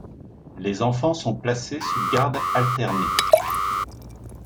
Les enfants sont placés sous garde alternée.